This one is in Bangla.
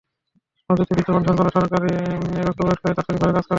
মধুতে বিদ্যমান শর্করা সরাসরি রক্তে প্রবেশ করে এবং তাৎক্ষণিকভাবে কাজ করে।